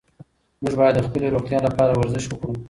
موږ باید د خپلې روغتیا لپاره ورزش وکړو.